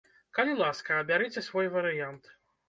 Калі ласка, абярыце свой варыянт.